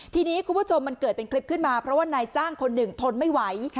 ทีนี้คุณผู้ชมมันเกิดเป็นคลิปขึ้นมาเวลาไหนจ้างคนหนึ่งหน่อย